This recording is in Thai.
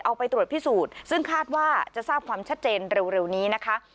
เอาไปตรวจพิสูจน์ซึ่งคาดว่าจะทราบความชัดเจนเร็วนี้นะคะ